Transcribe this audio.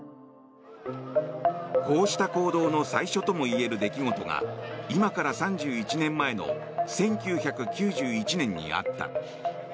こうした行動の最初ともいえる出来事が今から３１年前の１９９１年にあった。